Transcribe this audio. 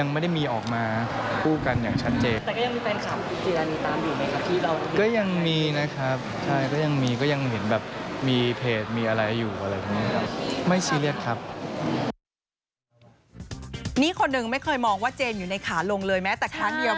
นี่คนหนึ่งไม่เคยมองว่าเจนอยู่ในขาลงเลยแม้แต่ครั้งเดียว